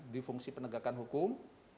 di fungsi penegakan hukum